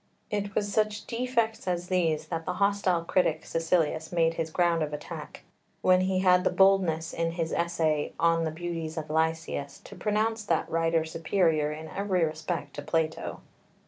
[Footnote 7: Legg. vi. 773, G.] 8 It was such defects as these that the hostile critic Caecilius made his ground of attack, when he had the boldness in his essay "On the Beauties of Lysias" to pronounce that writer superior in every respect to Plato.